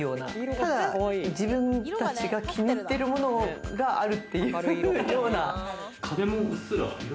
ただ自分たちが気に入ってるものかあるっていう。